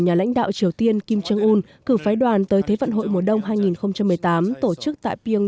nhà lãnh đạo triều tiên kim jong un cử phái đoàn tới thế vận hội mùa đông hai nghìn một mươi tám tổ chức tại piêng